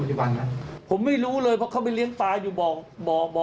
ทุกวันนะผมไม่รู้เลยเพราะเขาไปเลี้ยงปลาอยู่บ่อบอกบ่อ